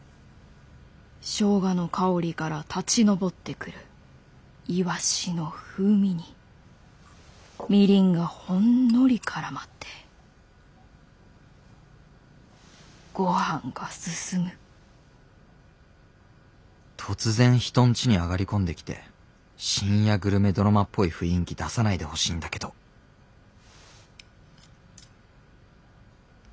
ショウガの香りから立ち上ってくるイワシの風味にみりんがほんのりからまってごはんが進む突然人んちに上がり込んできて深夜グルメドラマっぽい雰囲気出さないでほしいんだけどえ？